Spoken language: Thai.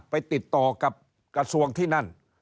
ไปติดต่อกับกระทรวงที่นั่น